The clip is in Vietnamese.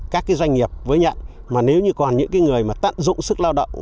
các cái doanh nghiệp với nhận mà nếu như còn những cái người mà tận dụng sức lao động